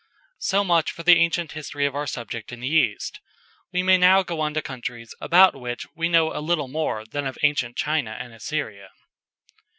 So much for the ancient history of our subject in the East. We may now go on to countries about which we know a little more than of ancient China and Assyria.